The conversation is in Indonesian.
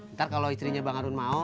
ntar kalau istrinya bang harun mau